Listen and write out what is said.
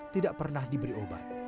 tidak pernah diberi obat